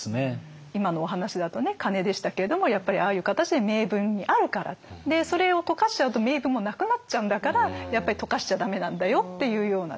今のお話だと鐘でしたけれどもやっぱりああいう形で銘文にあるからそれを溶かしちゃうと銘文もなくなっちゃうんだからやっぱり溶かしちゃ駄目なんだよっていうようなですね